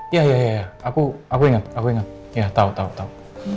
iya iya iya aku ingat aku ingat ya tahu tahu tahu